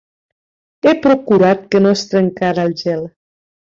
He procurat que no es trencara el gel.